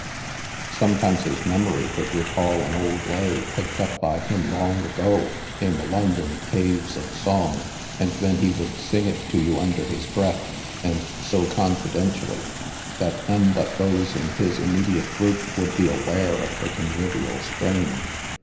Sometimes his memory would recall an old lay, picked up by him long ago in the London cave3 of song, and then he would sing it to you under his breath, and so confidentially, that none but those in his immediate group would be aware of the convivial strain.